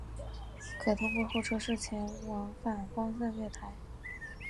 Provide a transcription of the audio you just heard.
可通过候车室前往反方向月台。